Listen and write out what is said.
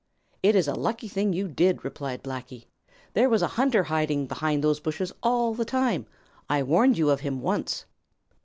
"It is a lucky thing you did," replied Blacky. "There was a hunter hiding behind those bushes all the time. I warned you of him once."